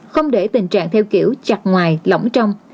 không để tình trạng theo kiểu chặt ngoài lỏng trong